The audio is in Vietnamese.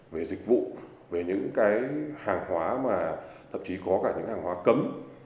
về dịch vụ về những cái hàng hóa mà thậm chí có cả những hàng hóa cấm